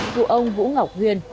cụ ông vũ ngọc huyền